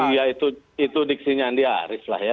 ya itu diksinyan di ahy lah ya